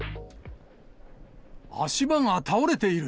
足場が倒れている。